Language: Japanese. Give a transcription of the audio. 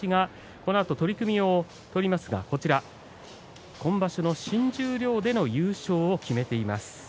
このあと取組が組まれていますが今場所新十両での優勝を決めています。